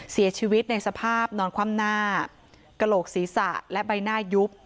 เสียชีวิตในสภาพนอนคว่ำหน้ากระโหลกศีรษะและใบหน้ายุบ